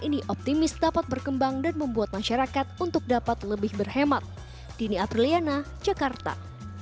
ini optimis dapat berkembang dan membuat masyarakat untuk dapat lebih berhemat dini apriliana jakarta